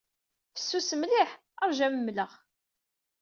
Fessus mliḥ. Ṛju ad am-mleɣ.